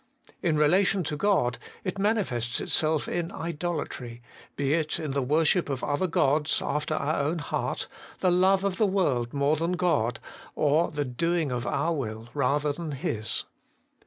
In relation to God, it manifests itself in idolatry, be it in the worship of other gods after our own heart, the love of the world more than God, or the doing oul will rather than His.